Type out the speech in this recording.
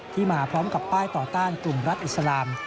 มาพร้อมกับป้ายต่อต้านกลุ่มรัฐอิสลาม